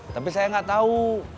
tapi saya gak tau